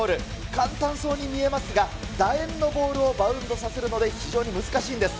簡単そうに見えますが、だ円のボールをバウンドさせるので非常に難しいんです。